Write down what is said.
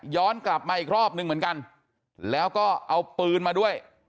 กลับมาอีกรอบนึงเหมือนกันแล้วก็เอาปืนมาด้วย